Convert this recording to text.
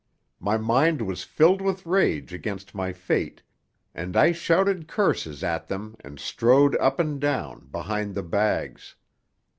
My mind was filled with rage against my fate, and I shouted curses at them and strode up and down, behind the bags.